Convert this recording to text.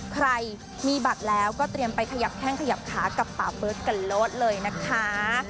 ใครมีบัตรแล้วก็เตรียมไปขยับแข้งขยับขากับป่าเบิร์ตกันเลิศเลยนะคะ